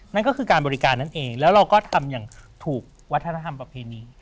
นั่นก็คือการบริการนั่นเองแล้วเราก็ทำอย่างถูกวัฒนธรรมประเพณี